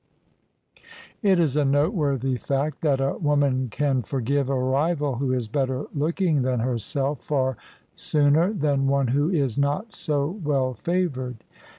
It is a noteworthy fact that a woman can forgive a rival who is better looking than her self far sooner than one who is not so well favoured.